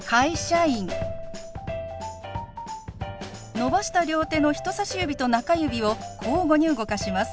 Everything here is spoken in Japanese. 伸ばした両手の人さし指と中指を交互に動かします。